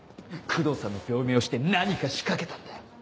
工藤さんの病名を知って何か仕掛けたんだ。